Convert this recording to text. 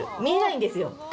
見えないんですよ